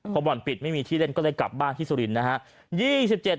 พอบ่อนปิดไม่มีที่เล่นก็เลยกลับบ้านที่สุรินทร์นะฮะ